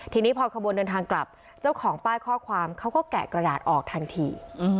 ทีนี้พอขบวนเดินทางกลับเจ้าของป้ายข้อความเขาก็แกะกระดาษออกทันที